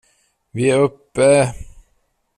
Vi är uppe!